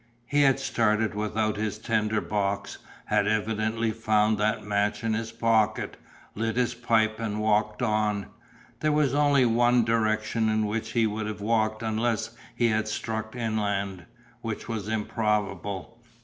He had started without his tinder box, had evidently found that match in his pocket, lit his pipe and walked on. There was only one direction in which he would have walked unless he had struck inland, which was improbable.